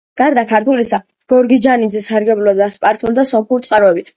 გარდა ქართულისა, გორგიჯანიძე სარგებლობდა სპარსული და სომხური წყაროებით.